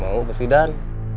mau bos idan